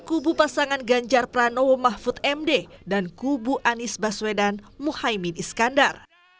kubu pasangan ganjar pranowo mahfud md dan kubu anies baswedan muhaymin iskandar